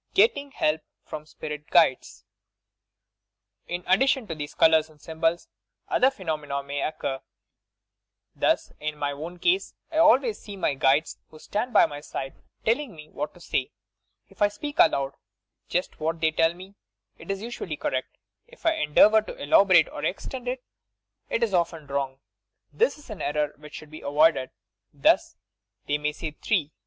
GETTING HELP PROM SPIRIT GUIDES "In addition to these colours and symbols, other phe nomena may occur. Thus, in my own case, I always see my guides who stand by my side telling me what to say. If I speak aloud just what they tell me, it is usually correct. If I endeavour to elaborate or extend it, it is often wrong. This is an error which should be avoided. Thus: they may say 'three.'